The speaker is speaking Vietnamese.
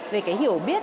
về cái hiểu biết